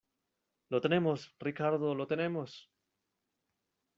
¡ lo tenemos, Ricardo , lo tenemos!